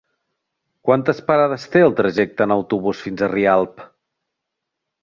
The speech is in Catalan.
Quantes parades té el trajecte en autobús fins a Rialp?